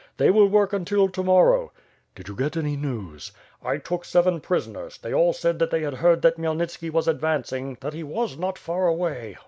They will work until to morrow." "Did you get any news?" "I took seven prisoners. They all said that they had heard that Khmyelnitski was advancing; that he was not far away."